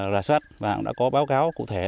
rà soát và đã có báo cáo cụ thể